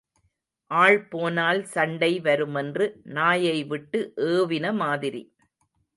ஆள் போனால் சண்டை வருமென்று நாயை விட்டு ஏவின மாதிரி.